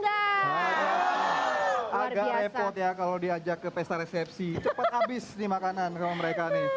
bisa agak repot ya kalau diajak ke pesta resepsi habis nih makanan brigadu